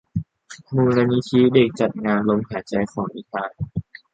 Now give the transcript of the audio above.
มูลนิธิเด็กจัดงานลมหายใจของนิทาน